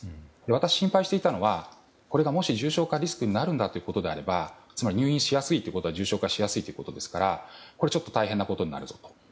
私が心配していたのはこれがもし重症化リスクになるのだということであればつまり入院しやすいということは重症化しやすいということですから大変なことになるぞと。